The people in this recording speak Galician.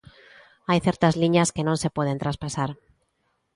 Hai certas liñas que non se poden traspasar.